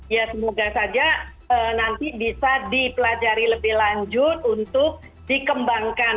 ya semoga saja nanti bisa dipelajari lebih lanjut untuk dikembangkan